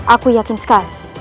aku yakin sekali